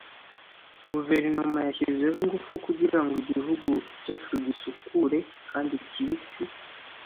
guverinoma yashyizeho ingufu kugira ngo igihugu cyacu gisukure kandi kibisi